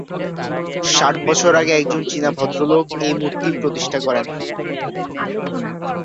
ষাট বছর আগে একজন চীনা ভদ্রলোক এই মূর্তি প্রতিষ্ঠা করেন।